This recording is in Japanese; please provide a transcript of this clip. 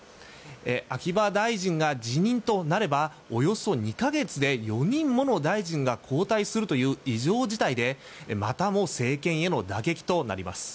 秋葉大臣が辞任となればおよそ２か月で４人もの大臣が交代するという異常事態でまたも政権への打撃となります。